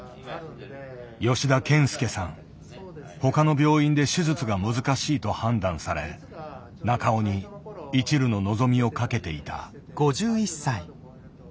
他の病院で手術が難しいと判断され中尾にいちるの望みをかけていた。